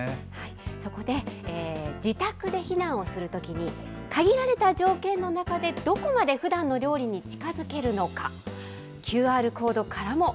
そこで、自宅で避難をするときに、限られた条件の中でどこまでふだんの料理に近づけるのか。